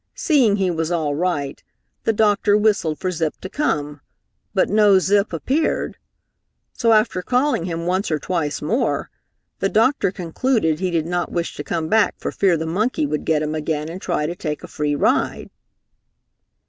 Seeing he was all right, the doctor whistled for Zip to come, but no Zip appeared. So after calling him once or twice more, the doctor concluded he did not wish to come back for fear the monkey would get him again and try to take a free ride.